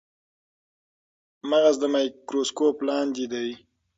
مغز د مایکروسکوپ لاندې دی.